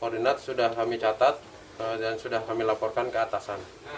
koordinat sudah kami catat dan sudah kami laporkan ke atasan